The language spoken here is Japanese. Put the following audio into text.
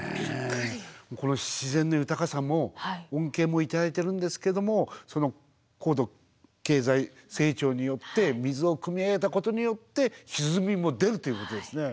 この自然の豊かさも恩恵も頂いてるんですけどもその高度経済成長によって水をくみ上げたことによって沈みも出るということですね。